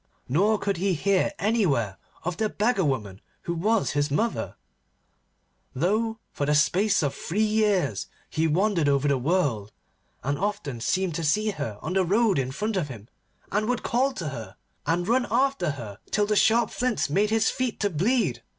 Nor could he hear anywhere of the beggar woman who was his mother, though for the space of three years he wandered over the world, and often seemed to see her on the road in front of him, and would call to her, and run after her till the sharp flints made his feet to bleed.